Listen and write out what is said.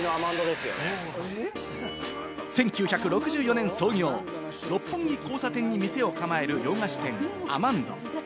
１９６４年創業、六本木交差点に店を構える洋菓子店・アマンド。